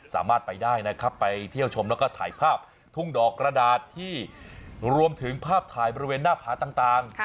สามารถไปได้นะครับไปเที่ยวชมแล้วก็ถ่ายภาพทุ่งดอกกระดาษที่รวมถึงภาพถ่ายบริเวณหน้าผาต่าง